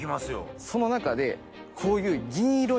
その中でこういう。